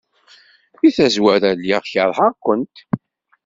Deg tazwara, lliɣ keṛheɣ-kent.